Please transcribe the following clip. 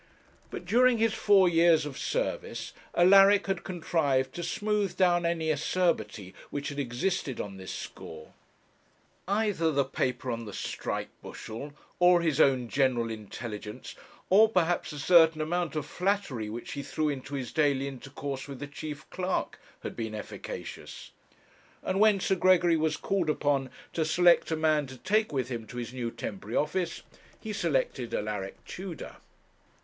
But during his four years of service Alaric had contrived to smooth down any acerbity which had existed on this score; either the paper on the strike bushel, or his own general intelligence, or perhaps a certain amount of flattery which he threw into his daily intercourse with the chief clerk, had been efficacious, and when Sir Gregory was called upon to select a man to take with him to his new temporary office, he selected Alaric Tudor.